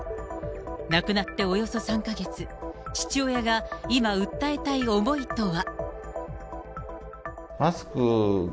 亡くなっておよそ３か月、父親が今、訴えたい思いとは。